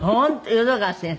淀川先生？